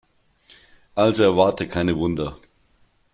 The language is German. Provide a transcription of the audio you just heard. Also erwarte keine Wunder.